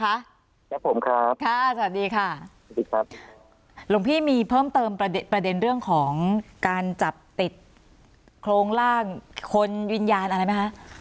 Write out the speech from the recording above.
ครับผมครับค่ะสวัสดีค่ะสวัสดีครับหลวงพี่มีเพิ่มเติมประเด็นเรื่องของการจับติดโครงร่างคนวิญญาณอะไรไหมคะ